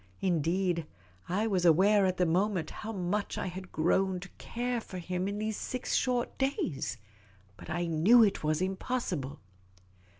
Indeed, I was aware at the moment how much I had grown to care for him in those six short days. But I knew it was impossible.